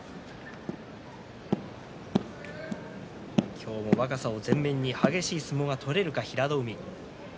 今日も若さを前面に激しい相撲が取れるか平戸海。